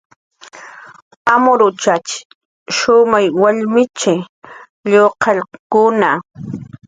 Amruchatx shumay wallmichi, lluqallkuna